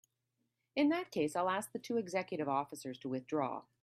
In that case I'll ask the two executive officers to withdraw.